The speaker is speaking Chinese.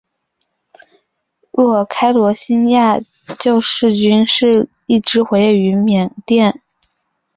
若开罗兴亚救世军是一支活跃于缅甸若开邦北部丛林的罗兴亚人武装集团。